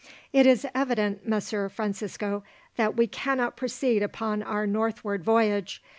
"It is evident, Messer Francisco, that we cannot proceed upon our northward voyage.